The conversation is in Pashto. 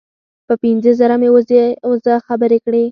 په پنځه زره مې وزه خبرې کړې.